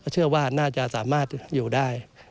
เชื่อว่าน่าจะสามารถอยู่ได้